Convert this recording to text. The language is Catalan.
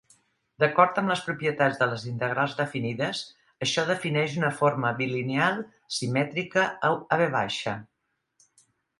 D'acord amb les propietats de les integrals definides, això defineix una forma bilineal simètrica a "V".